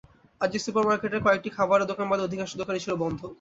Aziz super মার্কেটের কয়েকটি খাবারের দোকান বাদে অধিকাংশ দোকানই ছিল বন্ধ।